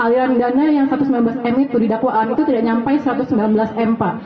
aliran dana yang satu ratus sembilan belas m itu di dakwaan itu tidak sampai satu ratus sembilan belas m pak